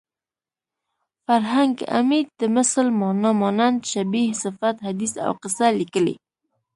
فرهنګ عمید د مثل مانا مانند شبیه صفت حدیث او قصه لیکلې